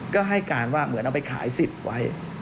ก็ให้การว่าเหมือนเอาไปขายสิทธิ์ไว้